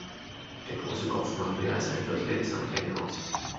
Der große Kopf macht mehr als ein Viertel der Gesamtlänge aus.